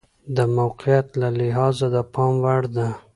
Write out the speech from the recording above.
د موقعیت له لحاظه د پام وړ ده.